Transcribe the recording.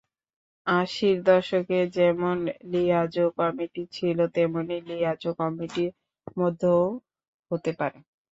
আশির দশকে যেমন লিয়াজোঁ কমিটি ছিল, তেমনই লিয়াজোঁ কমিটির মধ্যেও হতে পারে।